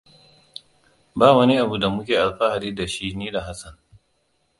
Ba wani abu da muke alfahari da shi ni da Hassan.